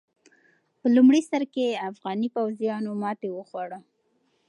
په لومړي سر کې افغاني پوځيانو ماته وخوړه.